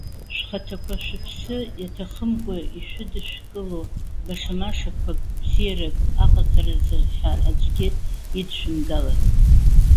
Шәхаҭақәа шәыԥсы иаҭахымкәа ишәыдышәкыло баша-машақәак бзиарак аҟаҵаразы ҳәа аӡәгьы идшәымгалан.